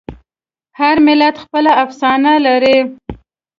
هر ملت خپله افسانه لري.